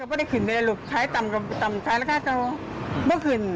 แพงหมด